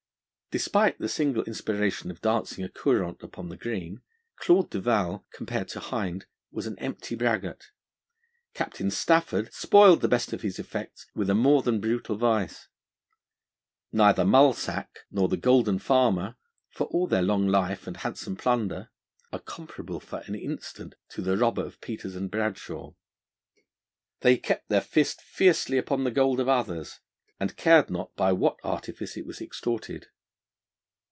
Despite the single inspiration of dancing a corant upon the green, Claude Duval, compared to Hind, was an empty braggart. Captain Stafford spoiled the best of his effects with a more than brutal vice. Neither Mull Sack nor the Golden Farmer, for all their long life and handsome plunder, are comparable for an instant to the robber of Peters and Bradshaw. They kept their fist fiercely upon the gold of others, and cared not by what artifice it was extorted.